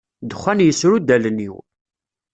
Dexxan yesru-d allen-iw.